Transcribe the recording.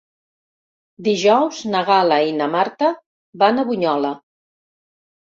Dijous na Gal·la i na Marta van a Bunyola.